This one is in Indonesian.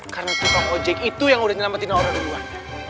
karena tipang ojek itu yang udah nyelamatin naura duluan